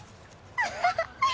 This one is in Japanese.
アハハッ！